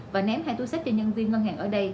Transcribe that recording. và ném hai túi sách cho nhân viên ngân hàng ở đây